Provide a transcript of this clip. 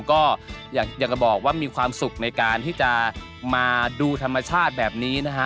ก็อยากจะบอกว่ามีความสุขในการที่จะมาดูธรรมชาติแบบนี้นะฮะ